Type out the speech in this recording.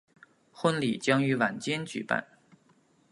婚礼将于晚间举办。